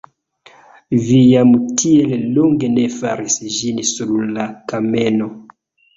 Vi jam tiel longe ne faris ĝin sur la kameno!